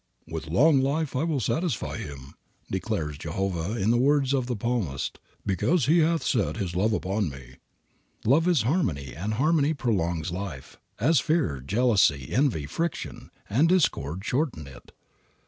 "With long life will I satisfy him," declares Jehovah in the words of the Psalmist, "because he hath set his love upon me." Love is harmony, and harmony prolongs life, as fear, jealousy, envy, friction, and discord shorten it.